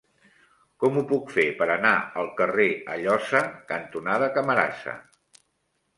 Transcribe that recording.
Com ho puc fer per anar al carrer Alloza cantonada Camarasa?